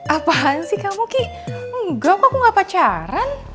apaan sih kamu kik enggak kok gak pacaran